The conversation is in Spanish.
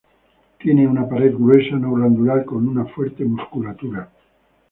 Tiene una pared gruesa, no glandular, con una fuerte musculatura.